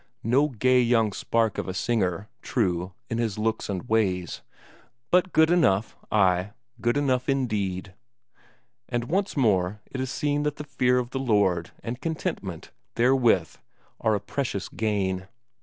No gay young spark of a singer, true, in his looks and ways, but good enough, ay, good enough indeed! And once more it is seen that the fear of the Lord and contentment therewith are a precious gain.